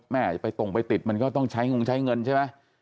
แม่ไปตรงไปติดมันก็ต้องใช้เงินใช่ไหม